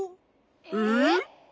えっ？